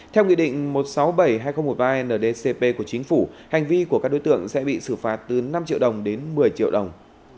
theo nghị định một trăm sáu mươi bảy hai nghìn một mươi ba ndcp của chính phủ hành vi của các đối tượng sẽ bị xử phạt từ năm triệu đồng đến một mươi triệu đồng